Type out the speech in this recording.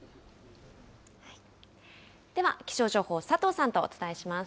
では気象情報、佐藤さんとお伝えします。